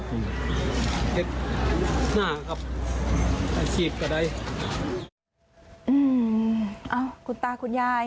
แบบนี้อีกครั้งค่ะ